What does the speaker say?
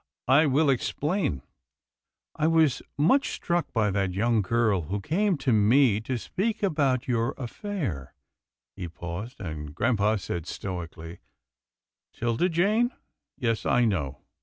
I will explain '— I was much struck by that young girl who came to me to speak about your affair —" He paused, and grampa said stoically, " 'Tilda Jane — yes, I know."